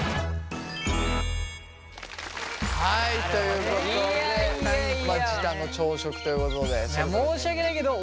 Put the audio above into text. はいということでまあ時短の朝食ということで。